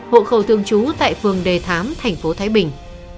hộ khẩu thường trú tại phường đề thám tp thái bình